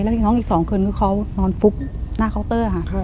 แล้วน้องอีก๒คืนเขานอนฟุ๊บหน้าเคาน์เตอร์ค่ะ